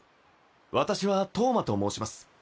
私はトーマと申します。